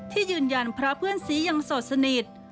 ที่ยืนยันพระเพื่อนสียังโสดสนิท